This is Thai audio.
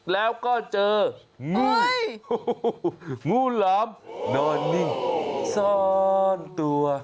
แล้วก็เจองูงูหลามนอนนิ่งซ่อนตัว